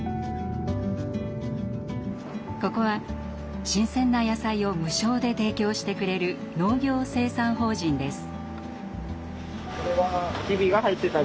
ここは新鮮な野菜を無償で提供してくれる農業生産法人です。